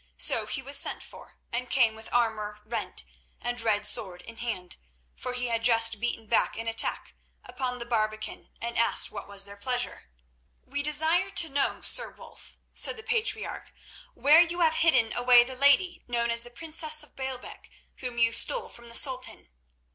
So he was sent for, and came with armour rent and red sword in hand, for he had just beaten back an attack upon the barbican, and asked what was their pleasure. "We desire to know, Sir Wulf," said the patriarch, "where you have hidden away the lady known as the princess of Baalbec, whom you stole from the Sultan?"